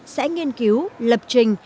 sẽ nghiên cứu lập trình